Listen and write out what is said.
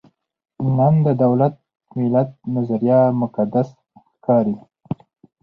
نن د دولت–ملت نظریه مقدس ښکاري.